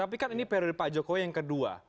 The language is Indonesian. tapi kan ini periode pak jokowi yang kedua